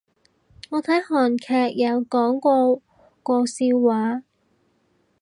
我睇韓劇有講過個笑話